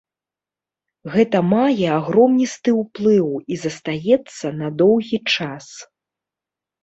Гэта мае агромністы ўплыў і застаецца на доўгі час.